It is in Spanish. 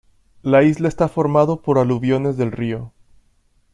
La isla está formado por aluviones del río.